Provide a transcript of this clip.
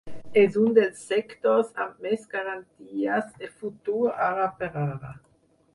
És un dels sectors amb més garanties de futur ara per ara.